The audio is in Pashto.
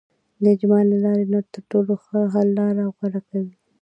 د اجماع له لارې تر ټولو ښه حل لاره غوره کوي.